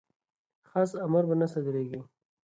خاص امر به نه صادریږي.